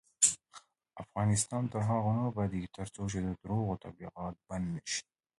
افغانستان تر هغو نه ابادیږي، ترڅو د درواغو تبلیغات بند نشي.